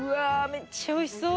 めっちゃ美味しそう。